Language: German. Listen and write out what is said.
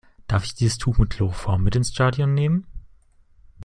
Darf ich dieses Tuch mit Chloroform mit ins Stadion nehmen?